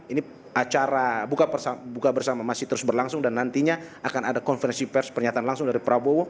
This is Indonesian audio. ini acara buka bersama masih terus berlangsung dan nantinya akan ada konferensi pers pernyataan langsung dari prabowo